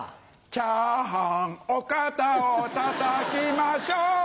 チャーハンお肩をたたきましょう